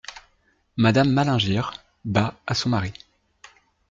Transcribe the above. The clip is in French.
Madame Malingear , bas à son mari.